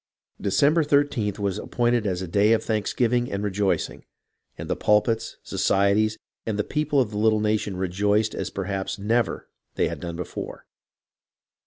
December 13th was appointed as a day of thanksgiving and rejoicing, and the pulpits, societies, and the people of the little nation rejoiced as perhaps never they had done before.